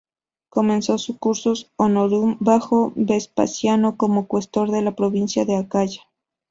Comenzó su "cursus honorum" bajo Vespasiano como cuestor de la provincia de Acaya.